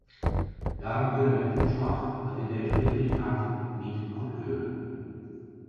Daarom kunnen we het verslag dat in deze richting gaat niet goedkeuren.